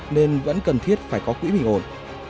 nên vẫn cần thiết phải có quỹ bình ổn